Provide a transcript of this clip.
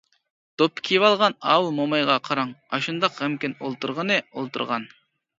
-دوپپا كىيىۋالغان ئاۋۇ مومايغا قاراڭ، ئاشۇنداق غەمكىن ئولتۇرغىنى ئولتۇرغان.